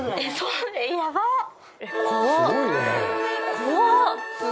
怖っ。